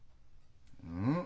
うん？